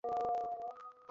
এই নিন স্যার।